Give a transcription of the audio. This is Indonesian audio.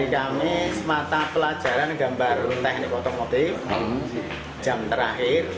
kami semata pelajaran gambar teknik otomotif jam terakhir